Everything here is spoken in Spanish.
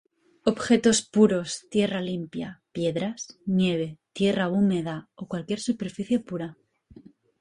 Objetos puros: tierra limpia, piedras, nieve, tierra húmeda, o cualquier superficie pura.